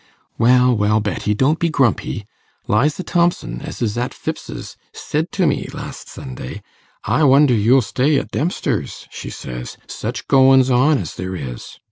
'Well, well, Betty, don't be grumpy. Liza Thomson, as is at Phipps's, said to me last Sunday, "I wonder you'll stay at Dempster's," she says, "such goins on as there is."